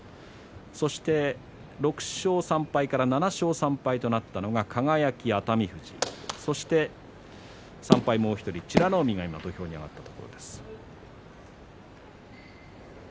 そして６勝３敗から７勝３敗となったのが輝と熱海富士そして３敗のもう１人美ノ海、土俵上です。